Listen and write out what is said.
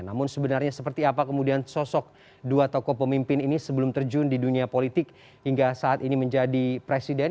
namun sebenarnya seperti apa kemudian sosok dua tokoh pemimpin ini sebelum terjun di dunia politik hingga saat ini menjadi presiden